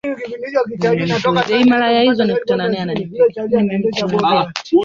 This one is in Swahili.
Safari hii itachukua muda gani?